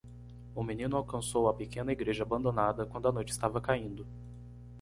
O menino alcançou a pequena igreja abandonada quando a noite estava caindo.